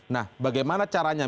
nah bagaimana caranya